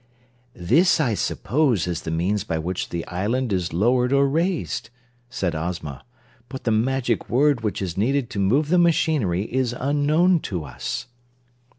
"This, I suppose, is the means by which the island is lowered or raised," said Ozma, "but the magic word which is needed to move the machinery is unknown to us."